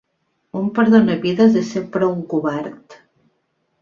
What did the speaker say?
Un perdonavides és sempre un covard.